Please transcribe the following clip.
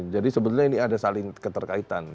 jadi sebetulnya ini ada saling keterkaitan